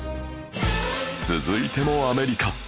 続いてもアメリカ